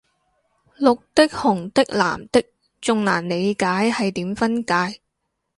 綠的紅的藍的仲難理解係點分界